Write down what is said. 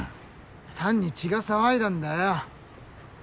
単に血が騒いだんだよ。